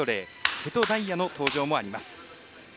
瀬戸大也の登場もあります。